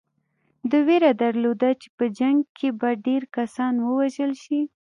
ده وېره درلوده چې په جنګ کې به ډېر کسان ووژل شي.